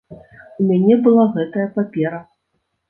У мяне была гэтая папера.